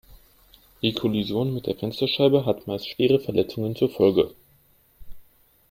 Die Kollision mit der Fensterscheibe hat meist schwere Verletzungen zur Folge.